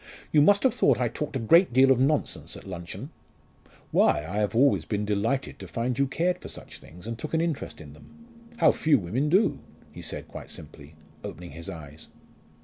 "You must have thought I talked a great deal of nonsense at luncheon." "Why! I have always been delighted to find you cared for such things and took an interest in them. How few women do!" he said quite simply, opening his eyes.